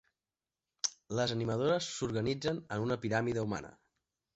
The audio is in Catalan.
Les animadores s'organitzen en una piràmide humana.